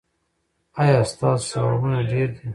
ایا ستاسو ثوابونه ډیر دي؟